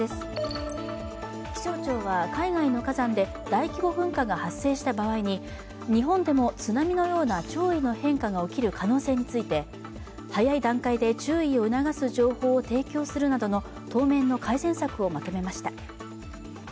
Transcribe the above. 気象庁は海外の火山で大規模噴火が発生した場合に日本でも津波のような潮位の変化が起きる可能性について早い段階で注意を促す情報を提供するなど当面の改善策をまとめました。